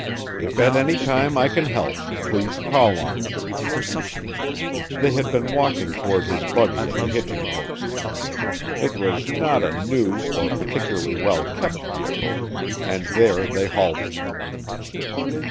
If at any time I can help, please call on me." They had been walking toward his buggy at the hitching post it was not a new or particularly well kept vehicle and there they halted.